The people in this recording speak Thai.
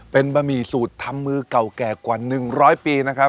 เป็นบะหมี่สูตรทำมือเก่าแก่กว่า๑๐๐ปีนะครับ